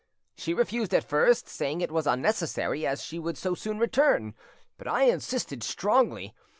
She refused at first, saying it was unnecessary, as she would so soon return; but I insisted strongly.